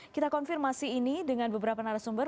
kita konfirmasi ini dengan beberapa narasumber